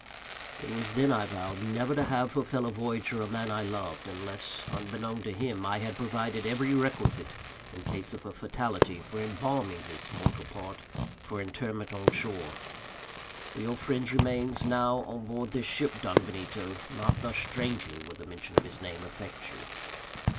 It was then I vowed never to have for fellow voyager a man I loved, unless, unbeknown to him, I had provided every requisite, in case of a fatality, for embalming his mortal part for interment on shore. Were your friend's remains now on board this ship, Don Benito, not thus strangely would the mention of his name affect you."